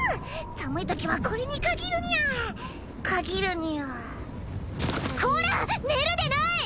寒いときはこれに限るにゃ限るにゃこら寝るでない！